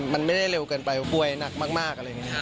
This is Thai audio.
มันไม่ได้เร็วเกินไปป่วยหนักมากอะไรอย่างนี้ค่ะ